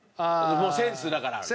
センスだからね。